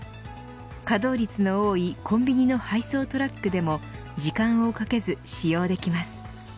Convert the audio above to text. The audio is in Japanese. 稼働率の多いコンビニの配送トラックでも時間をかけず使用できます。